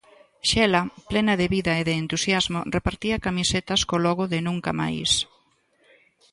Xela, plena de vida e de entusiasmo, repartía camisetas co logo de Nunca Máis.